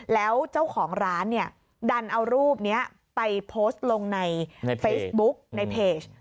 แล้วเจ้าของร้านเนี่ยดันเอารูปนี้ไปโพสต์ลงในเฟซบุ๊กในเพจ